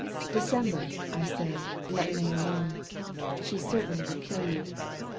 December, say I, let May alone; she certainly will kill you.